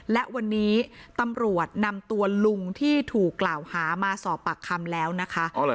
และวันนี้ตำรวจนำตัวลุงที่ถูกกล่าวหามาสอบปากคำแล้วนะคะ